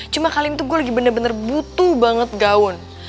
cuma kali ini tuh gue lagi benar benar butuh banget gaun